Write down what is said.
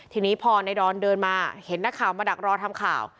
ทีนี้พอในดอนเดินมาเห็นนักข่าวมาดักรอทำข่าว